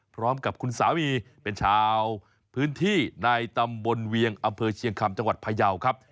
พร้อมกับคุณสามีเป็นชาวพื้นที่ในตำบลเวียงอำเภอเชียงคำจังหวัดพยาวครับ